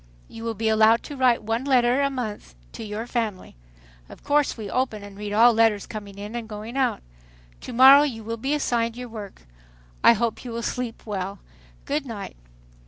You will be allowed to write one letter a month to your family. Of course we open and read all letters coming in and going out. To morrow you will be assigned your work. I hope you will sleep well. Good night!"